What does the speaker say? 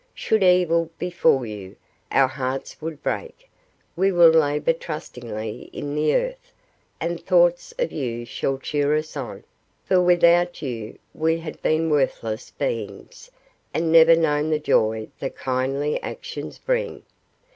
Should evil befall you, our hearts would break. We will labor trustingly in the earth, and thoughts of you shall cheer us on; for without you we had been worthless beings, and never known the joy that kindly actions bring.